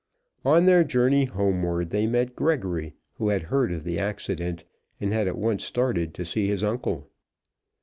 On their journey homeward they met Gregory, who had heard of the accident, and had at once started to see his uncle.